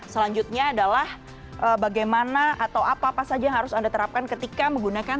selanjutnya adalah bagaimana atau apa apa saja yang harus anda terapkan ketika menggunakan